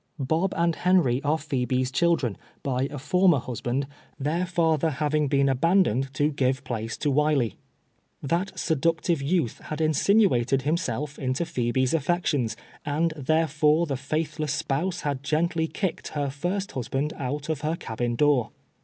Bob and Henry arc Phebe's children, by a former husband, their father having been abandoned to givo ISO TA^'ELTE TEAKS A SLAVE. place to ^^'iley. That seductive yontli had insinuated himself into Phehe's ati'ections, and therefore the faithless spouse had gently kicked her first husLand out of her cabin door.